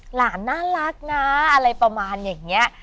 หลานน่ารักนะอะไรประมาณอย่างนี้